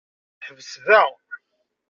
Ḥbes da.